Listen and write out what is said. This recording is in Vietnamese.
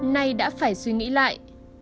nay đã phải suy nghĩ lại